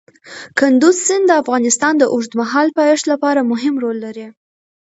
کندز سیند د افغانستان د اوږدمهاله پایښت لپاره مهم رول لري.